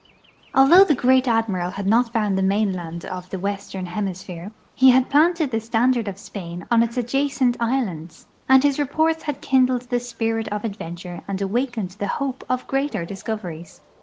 Although the Great Admiral had not found the mainland of the ^Vestern Hemis phere, he had planted the standard of Spain on its adjacent islands, and his reports had kindled the spirit of adventure and awakened the hope of greater discoveries.